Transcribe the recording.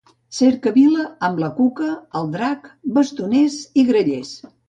Cercavila amb la Cuca, el drac, bastoner i grallers.